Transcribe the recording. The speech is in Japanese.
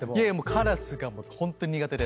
カラスがホント苦手で。